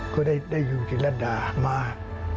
ก็ได้อยู่ที่รรดามาก